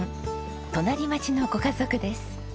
隣町のご家族です。